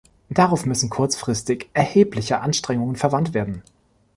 Darauf müssen kurzfristig erhebliche Anstrengungen verwandt werden.